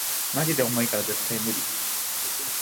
マジで重いから絶対ムリ